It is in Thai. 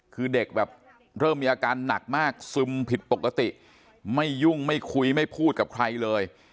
คือเด็กแบบเริ่มมีอาการหนักมากซึมผิดปกติไม่ยุ่งไม่คุยไม่พูดกับใครเลย